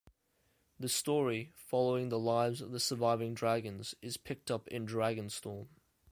The story, following the lives of the surviving dragons, is picked up in Dragonstorm.